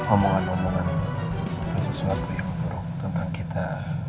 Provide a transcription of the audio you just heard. omongan omongan itu sesuatu yang buruk tentang kita